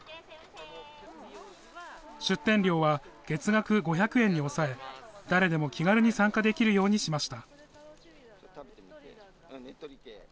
出店料は月額５００円に抑え、誰でも気軽に参加できるようにしました。